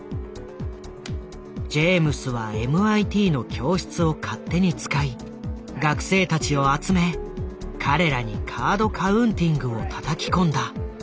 ジェームスはＭＩＴの教室を勝手に使い学生たちを集め彼らにカード・カウンティングをたたき込んだ。